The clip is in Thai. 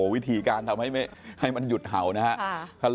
วิธีการทำให้มันหยุดเห่านะครับ